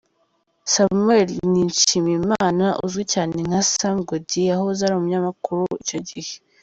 Samuel Nshimiyimana, uzwi cyane nka Sam Gody, yahoze ari umunyamakuru icyo gihe.